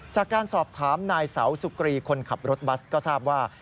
จากการสอบถามนายเสาสุกรีคนขับรถบัสก็ทราบว่า